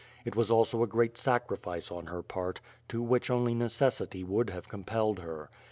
It was also a great sacrifice on her part, to which only necessity would have compelled her.